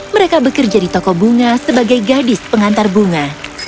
mereka bekerja di toko bunga sebagai gadis pengantar bunga